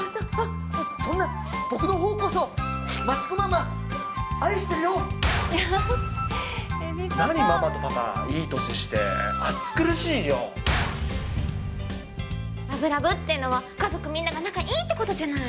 そんな、僕のほうこそ、何、ママとパパ、いい年して、ラブラブっていうのは、家族みんなが仲いいってことじゃない。